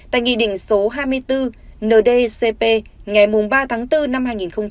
tại nghị định số hai mươi bốn ndcp ngày ba tháng bốn năm hai nghìn một mươi hai